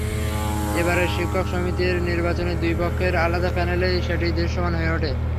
এবারের শিক্ষক সমিতির নির্বাচনে দুই পক্ষের আলাদা প্যানেলেই সেটি দৃশ্যমান হয়ে ওঠে।